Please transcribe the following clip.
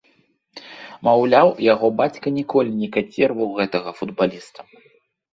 Маўляў, яго бацька ніколі не каціраваў гэтага футбаліста.